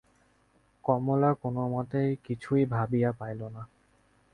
কমলা কোনোমতেই কিছুই ভাবিয়া পাইল না।